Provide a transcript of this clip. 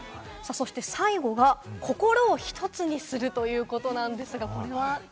最後が心を１つにするということなんですが。